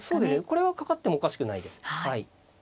これはかかってもおかしくないです。